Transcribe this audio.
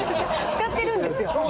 使ってるんですよ。